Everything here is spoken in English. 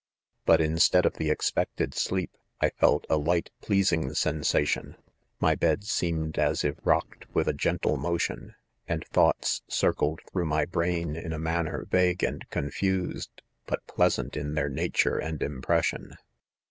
—* But instead of the expected sleep, I felt a light pleasing sensation 5 my bed seemed as if rock* ed with a gentle motion j and thoughts cir cled through my brain in a manner vaiue and confused, but pleasant in their nature and im pression.